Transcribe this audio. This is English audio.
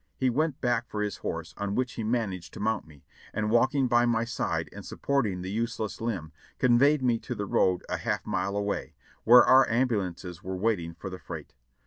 He went back for his horse, on which he managed to mount me, and walking by my side and supporting the useless limb, conveyed me to the road a half mile away, where our ambulances were waiting for the freight.